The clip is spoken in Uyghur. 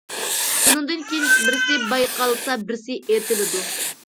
بۇنىڭدىن كېيىن بىرسى بايقالسا بىرسى ئېتىلىدۇ.